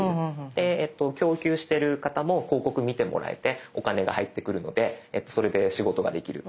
で供給してる方も広告見てもらえてお金が入ってくるのでそれで仕事ができる。